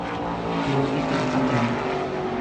nu ita qadav